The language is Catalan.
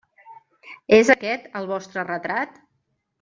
És aquest el vostre retrat?